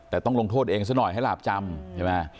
แต่ต้องลงโทษเองซะหน่อยให้หลาบจำใช่ไหม